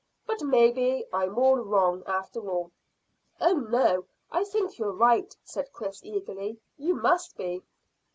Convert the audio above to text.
But maybe I'm all wrong, after all." "Oh no: I think you're right," said Chris eagerly. "You must be."